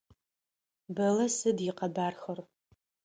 Бэллэ сыд икъэбархэр?